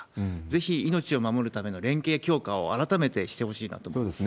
ぜひ命を守るための連携強化を改めてしてほしいなと思います。